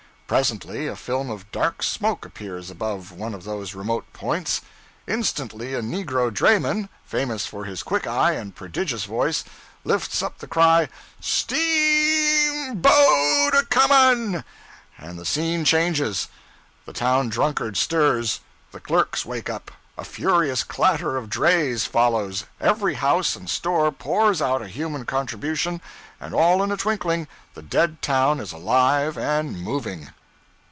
Presently a film of dark smoke appears above one of those remote 'points;' instantly a negro drayman, famous for his quick eye and prodigious voice, lifts up the cry, 'S t e a m boat a comin'!' and the scene changes! The town drunkard stirs, the clerks wake up, a furious clatter of drays follows, every house and store pours out a human contribution, and all in a twinkling the dead town is alive and moving.